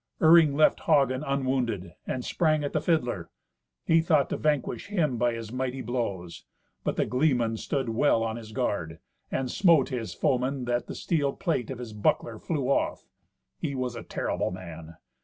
Iring left Hagen unwounded, and sprang at the fiddler. He thought to vanquish him by his mighty blows. But the gleeman stood well on his guard, and smote his foeman, that the steel plate of his buckler flew off. He was a terrible man.